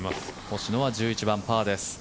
星野は１１番、パーです。